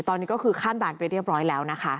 ตอนนี้ก็คือข้ามด่านไปเรียบร้อยแล้วนะคะ